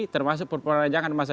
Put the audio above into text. termasuk perperanan jangkan masa jabatan